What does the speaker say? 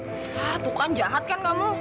hah tuh kan jahat kan kamu